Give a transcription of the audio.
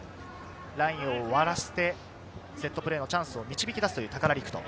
ラインを割らせて、セットプレーのチャンスを導き出す高良。